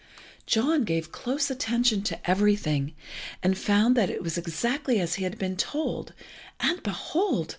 John gave close attention to everything, and found that it was exactly as he had been told, and, behold!